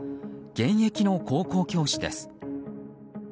現役の高校教師です。